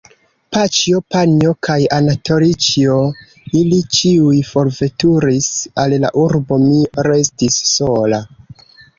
Paĉjo, Panjo kaj Anatolĉjo, ili ĉiuj forveturis al la urbo, mi restis sola.